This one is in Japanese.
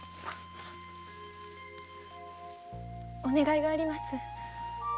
お願いがあります。